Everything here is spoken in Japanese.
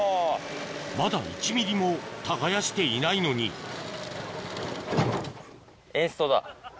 まだ１ｍｍも耕していないのにおぉ。